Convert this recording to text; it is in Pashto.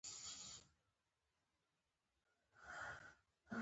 ایا ویښتان مو سپین شوي دي؟